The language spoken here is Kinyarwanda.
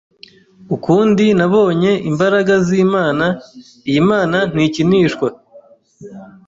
ukundi nabonye imbaraga z’Imana iyi Mana ntikinishwa